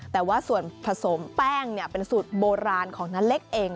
แต่ว่าส่วนผสมแป้งเป็นสูตรโบราณของน้าเล็กเอง